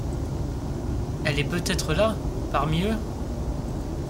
Elle est peut-être là, parmi eux!